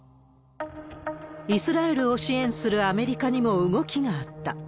イスラエルを支援するアメリカにも動きがあった。